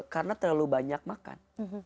karena terlalu banyak makan